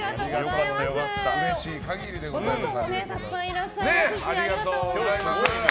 うれしい限りでございます。